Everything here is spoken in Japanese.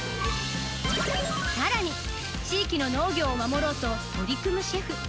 さらに地域の農業を守ろうと取り組むシェフ。